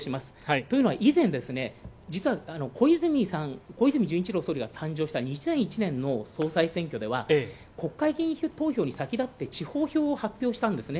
というのは、以前、小泉純一郎総理が誕生した２００１年の総裁選挙では、国会議員投票に先立って地方票を発表したんですね。